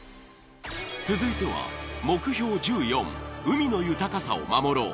続いては目標１４「海の豊かさを守ろう」